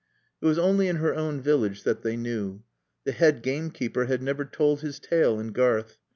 It was only in her own village that they knew. The head gamekeeper had never told his tale in Garth.